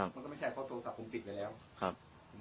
มันก็ไม่ใช่เพราะโทรศัพท์ผมปิดไปแล้วครับ